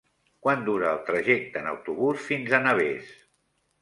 Quant dura el trajecte en autobús fins a Navès?